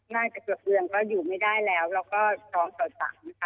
น่าจะเกือบเดือนก็อยู่ไม่ได้แล้วแล้วก็๒ต่อ๓นะคะ